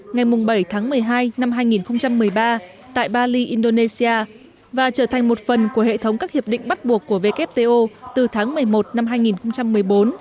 ngày bảy tháng một mươi hai năm hai nghìn một mươi ba tại bali indonesia và trở thành một phần của hệ thống các hiệp định bắt buộc của wto từ tháng một mươi một năm hai nghìn một mươi bốn